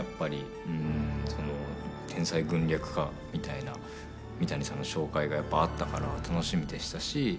その天才軍略家みたいな三谷さんの紹介があったから楽しみでしたし。